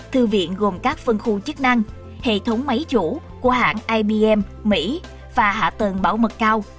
thư viện gồm các phân khu chức năng hệ thống máy chủ của hãng ibm mỹ và hạ tầng bảo mật cao